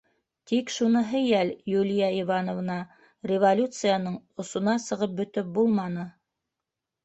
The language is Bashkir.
Тик шуныһы йәл, Юлия Ивановна, революцияның осона сығып бөтөп булманы.